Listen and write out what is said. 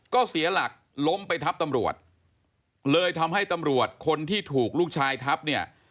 ก็เสียหลักล้มไปทับตำรวจเลยทำให้ตำรวจคนที่ถูกลูกชายทับเนี่ย